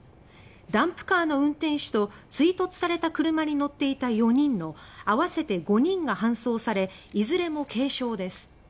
ダンプカーの運転手と追突された車に乗っていた４人の合わせて５人が搬送されいずれも軽傷です。